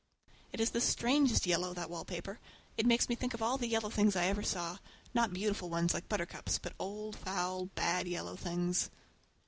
It is the strangest yellow, that wallpaper! It makes me think of all the yellow things I ever saw—not beautiful ones like buttercups, but old foul, bad yellow things.